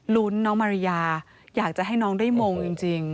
น้องมาริยาอยากจะให้น้องได้มงจริง